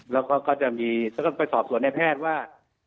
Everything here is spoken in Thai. แล้วก็จะไปสอบสวนให้แพทย์ว่า